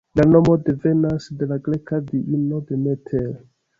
La nomo devenas de la greka diino Demeter.